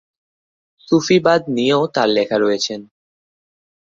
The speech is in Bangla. সুফিবাদ নিয়েও তার লেখা রয়েছেন।